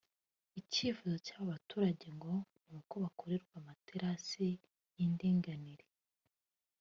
Icyifuzo cy’aba baturage ngo ni uko bakorerwa amaterasi y’indanganire